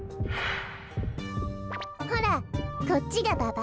ほらこっちがババ？